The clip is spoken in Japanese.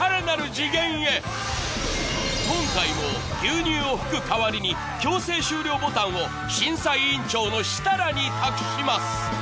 今回も牛乳を噴く代わりに強制終了ボタンを審査委員長の設楽に託します。